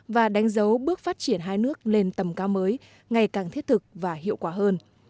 và đánh dấu bước phát triển hai nước lên tầm cao mới ngày càng thiết thực và hiệu quả hơn